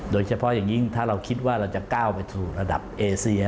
โดยเฉพาะอย่างยิ่งถ้าเราคิดว่าเราจะก้าวไปสู่ระดับเอเซีย